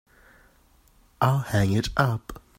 I'll hang it up.